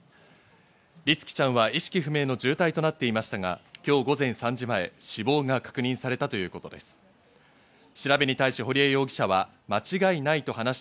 律希ちゃんは意識不明の重体となっていましたが、今日午前３時前、死亡が確認されたということです。